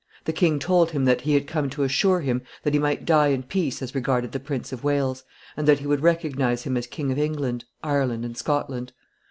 The king told him that he had come to assure him that he might die in peace as regarded the Prince of Wales, and that he would recognize him as King of England, Ireland, and Scotland.